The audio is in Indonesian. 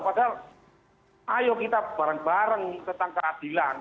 padahal ayo kita bareng bareng tentang keadilan